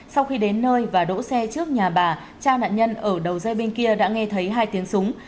sau khi đến nơi và đỗ xe trước nhà bà cha nạn nhân ở đầu dây bên kia đã nghe thấy hai tiếng súng